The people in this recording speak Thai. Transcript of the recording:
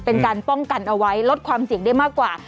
เป็นการป้องกันเอาไว้ลดความเสี่ยงได้มากกว่า